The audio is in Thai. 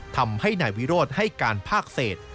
ทำให้นายวิโรธให้การภาคเศษ